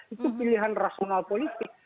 itu pilihan rasional politik